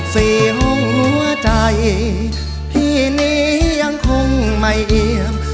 สี่ห้องหัวใจพี่นี้ยังคงไม่เอี่ยม